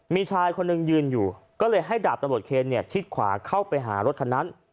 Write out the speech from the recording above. มีชายคนหนึ่งยืนอยู่ก็เลยให้ดาบตำรวจเคนเนี่ยชิดขวาเข้าไปหารถคันนั้น